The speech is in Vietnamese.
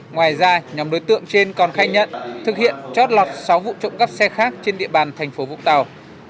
ngoài ra nhóm đối tượng trên còn khai nhận thực hiện chót lọt sáu vụ trộm cắp xe khác trên địa bàn thành phố vũng tàu